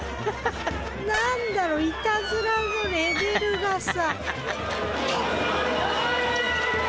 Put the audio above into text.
何だろういたずらのレベルがさ。